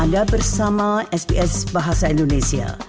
anda bersama sps bahasa indonesia